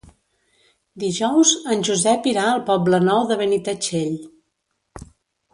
Dijous en Josep irà al Poble Nou de Benitatxell.